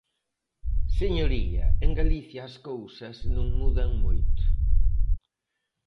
Señoría, en Galicia as cousas non mudan moito.